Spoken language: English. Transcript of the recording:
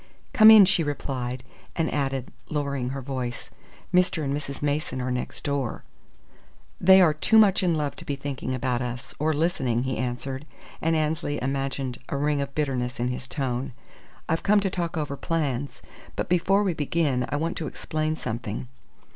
"Come in," she replied, and added, lowering her voice: "Mr. and Mrs. Mason are next door." "They are too much in love to be thinking about us, or listening," he answered; and Annesley imagined a ring of bitterness in his tone. "I've come to talk over plans, but before we begin I want to explain something.